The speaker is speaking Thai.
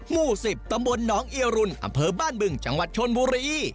หมู่๑๐ตำบลหนองเอียรุนอำเภอบ้านบึงจังหวัดชนบุรี